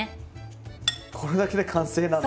これだけで完成なんだ。